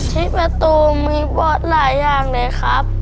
ที่ประตูมีบทหลายอย่างเลยครับ